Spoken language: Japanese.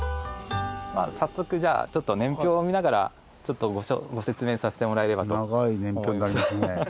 早速じゃあちょっと年表を見ながらちょっとご説明させてもらえればと。